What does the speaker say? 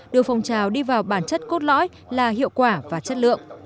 đưa phong trào đi vào bản chất cốt lõi là hiệu quả và chất lượng